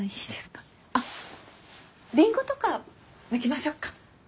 あっりんごとかむきましょうか。